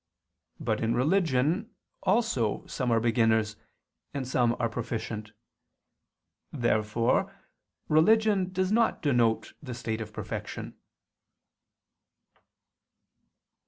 But in religion also some are beginners, and some are proficient. Therefore religion does not denote the state of perfection.